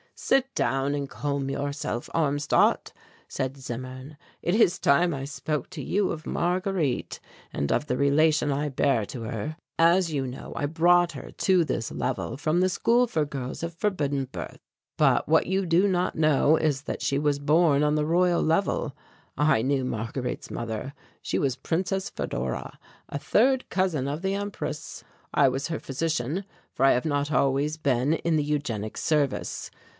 "Sit down and calm yourself, Armstadt," said Zimmern. "It is time I spoke to you of Marguerite and of the relation I bear to her. As you know, I brought her to this level from the school for girls of forbidden birth. But what you do not know is that she was born on the Royal Level. "I knew Marguerite's mother. She was Princess Fedora, a third cousin of the Empress. I was her physician, for I have not always been in the Eugenic Service.